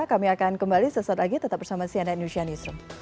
kami akan kembali sesuatu lagi tetap bersama sian dan nusyani